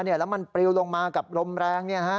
แล้วมันปลิวลงมากับลมแรง